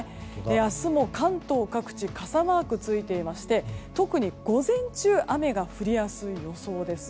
明日も関東各地傘マークついていまして特に午前中雨が降りやすい予想です。